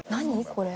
これ。